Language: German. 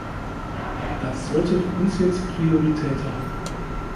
Das sollte für uns jetzt Priorität haben.